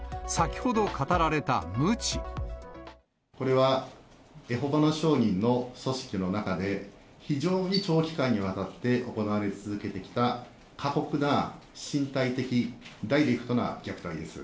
これはエホバの証人の組織の中で、非常に長期間にわたって行われ続けてきた、過酷な身体的ダイレクトな虐待です。